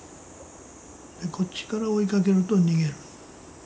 こっちから追いかけると逃げる。